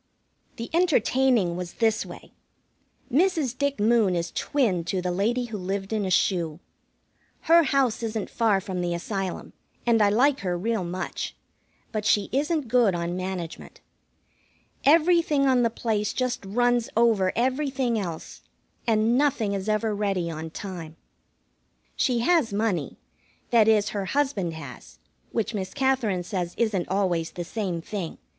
The entertaining was this way. Mrs. Dick Moon is twin to the lady who lived in a shoe. Her house isn't far from the Asylum, and I like her real much; but she isn't good on management. Everything on the place just runs over everything else, and nothing is ever ready on time. She has money that is, her husband has, which Miss Katherine says isn't always the same thing.